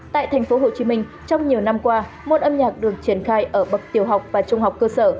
tại tp hcm trong nhiều năm qua môn âm nhạc được triển khai ở bậc tiểu học và trung học cơ sở